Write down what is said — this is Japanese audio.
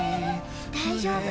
大丈夫。